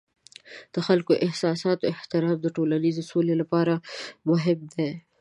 د خلکو د احساساتو احترام د ټولنیز سولې لپاره مهم دی.